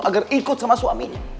agar ikut sama suaminya